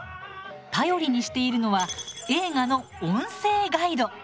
頼りにしているのは映画の「音声ガイド」。